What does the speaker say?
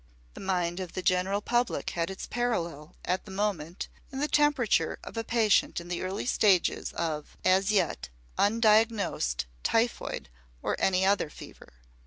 The mind of the general public had its parallel, at the moment, in the temperature of a patient in the early stages of, as yet, undiagnosed typhoid or any other fever.